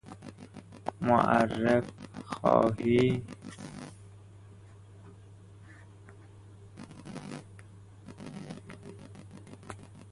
معارف خواهی